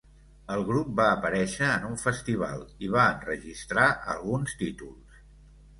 El grup va aparèixer en un festival i va enregistrar alguns títols.